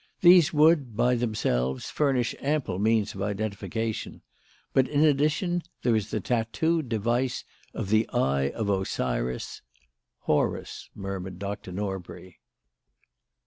These would, by themselves, furnish ample means of identification. But in addition, there is the tattooed device of the Eye of Osiris " "Horus," murmured Dr. Norbury.